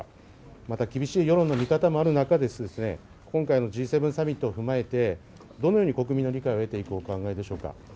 また厳しい世論の見方もある中で今回のＧ７サミットを踏まえてどのように国民の理解を得ていくお考えでしょうか。